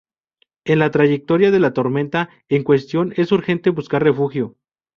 En la trayectoria de la tormenta en cuestión es urgente buscar refugio.